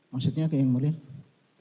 maksudnya kayak yang mulia